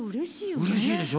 うれしいでしょ。